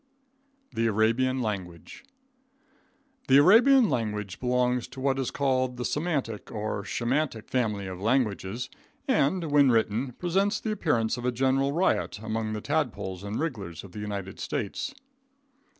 The Arabian Language. The Arabian language belongs to what is called the Semitic or Shemitic family of languages, and, when written, presents the appearance of a general riot among the tadpoles and wrigglers of the United States.